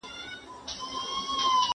زه به د زده کړو تمرين کړی وي.